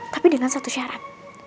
tapi dengan satu syarat